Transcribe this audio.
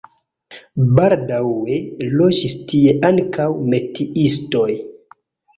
Baldaŭe loĝis tie ankaŭ metiistoj.